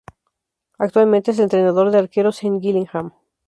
Actualmente es el entrenador de arqueros en Gillingham.